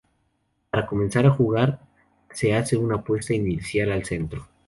Para comenzar a jugar se hace una apuesta inicial al centro.